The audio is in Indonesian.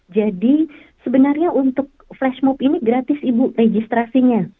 jadi sebenarnya untuk flash mob ini gratis ibu registrasinya